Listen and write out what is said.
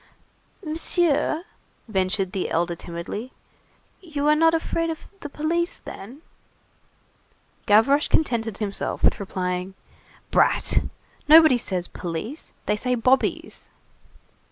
"Monsieur," ventured the elder timidly, "you are not afraid of the police, then?" Gavroche contented himself with replying:— "Brat! Nobody says 'police,' they say 'bobbies.